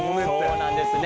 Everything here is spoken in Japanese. そうなんですね。